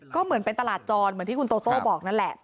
ก็เหมือนเป็นตลาดจรเหมือนที่คุณโตโต้บอกนั่นแหละ